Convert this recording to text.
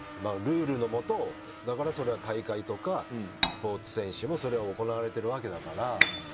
ルールのもとだから、それは大会とかスポーツ選手もそれは行われているわけだから。